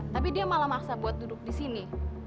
tapi dia malah maksa buat duduk di sini